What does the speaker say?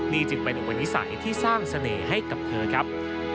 นี่จึงเป็นอุปนิสัยที่สร้างเสน่ห์ให้กับเธอครับ